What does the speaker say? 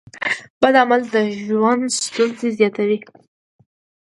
بد عمل د ژوند ستونزې زیاتوي.